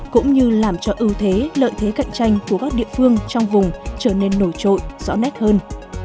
cũng như làm cho ưu thế lợi thế cạnh tranh của các địa phương trong vùng trở nên nổi trội rõ nét hơn